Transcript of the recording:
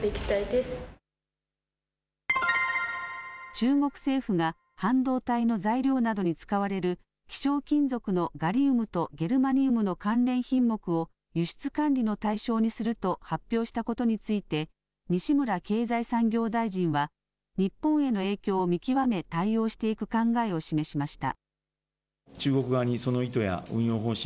中国政府が半導体の材料などに使われる希少金属のガリウムとゲルマニウムの関連品目を輸出管理の対象にすると発表したことについて西村経済産業大臣は日本への影響を見極め対応していく考えを示しました。